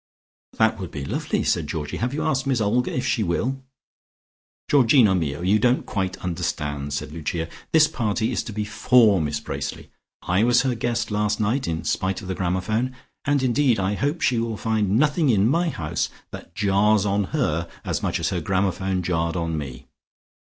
"That would be lovely," said Georgie. "Have you asked Miss Olga if she will?" "Georgino mio, you don't quite understand," said Lucia. "This party is to be for Miss Bracely. I was her guest last night in spite of the gramophone, and indeed I hope she will find nothing in my house that jars on her as much as her gramophone jarred on me.